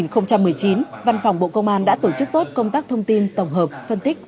năm hai nghìn một mươi chín văn phòng bộ công an đã tổ chức tốt công tác thông tin tổng hợp phân tích